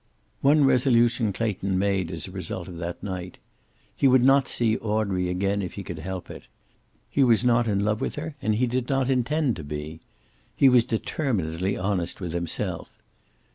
One resolution Clayton made, as a result of that night. He would not see Audrey again if he could help it. He was not in love with her and he did not intend to be. He was determinedly honest with himself.